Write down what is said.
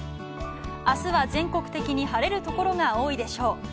明日は、全国的に晴れるところが多いでしょう。